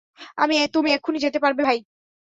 তুমি এক্ষুণি যেতে পারবে, ভাই?